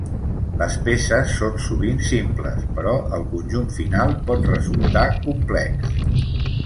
Les peces són sovint simples, però el conjunt final pot resultar complex.